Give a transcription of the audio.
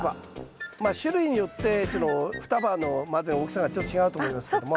まあ種類によってちょっと双葉の大きさがちょっと違うと思いますけども。